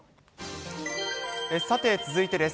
さて、続いてです。